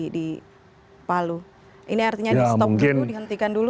di palu ini artinya di stop dulu dihentikan dulu